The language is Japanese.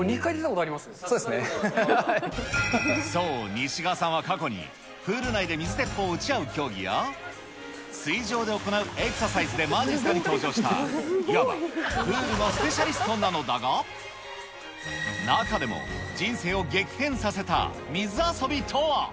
そう、西川さんは過去に、プール内で水鉄砲を撃ち合う競技や、水上で行うエクササイズでまじっすかに登場した、いわばプールのスペシャリストなのだが、中でも、人生を激変させた水遊びとは。